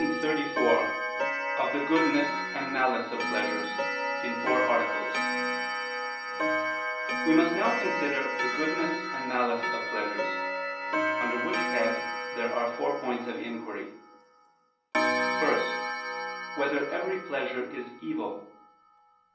________________________ QUESTION 34 OF THE GOODNESS AND MALICE OF PLEASURES (In Four Articles) We must now consider the goodness and malice of pleasures: under which head there are four points of inquiry: (1) Whether every pleasure is evil?